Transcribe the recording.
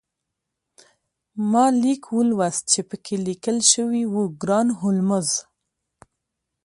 ما لیک ولوست چې پکې لیکل شوي وو ګران هولمز